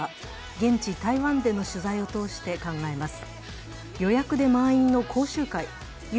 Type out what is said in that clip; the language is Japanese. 現地・台湾での取材を通して考えます。